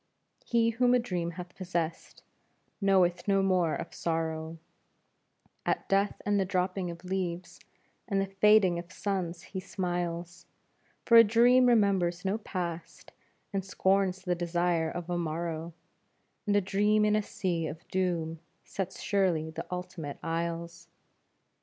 He whom a dream hath possessed knoweth no more of sorrow, At death and the dropping of leaves and the fading of suns he smiles, For a dream remembers no past and scorns the desire of a morrow, And a dream in a sea of doom sets surely the ultimate isles.